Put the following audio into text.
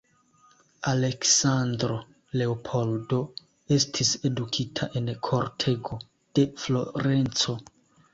Aleksandro Leopoldo estis edukita en kortego de Florenco.